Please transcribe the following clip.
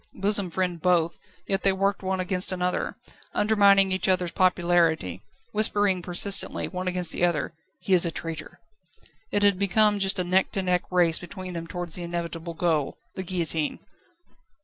Bosom friend both, yet they worked against one another, undermining each other's popularity, whispering persistently, one against the other: "He is a traitor!" It had become just a neck to neck race between them towards the inevitable goal the guillotine.